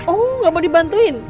oh gak mau dibantuin